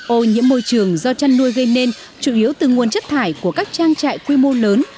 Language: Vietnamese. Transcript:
ô nhiễm môi trường do chăn nuôi gây nên chủ yếu từ nguồn chất thải của các trang trại quy mô lớn